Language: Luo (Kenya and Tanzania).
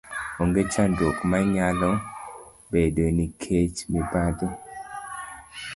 onge chandruok ma nyalo bedoe nikech mibadhi.